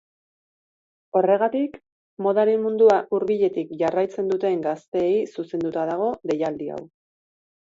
Horregatik, modaren mundua hurbiletik jarraitzen duten gazteei zuzenduta dago deialdi hau.